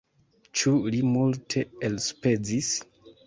Ĉu li multe elspezis?